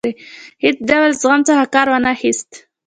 هیڅ ډول زغم څخه کار وانه خیست.